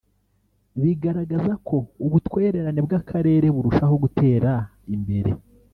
bigaragaza ko ubutwererane bw’Akarere burushaho gutera imbere